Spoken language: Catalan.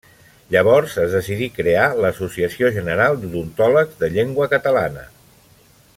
Llavors es decidí crear l'Associació General d'Odontòlegs de Llengua Catalana.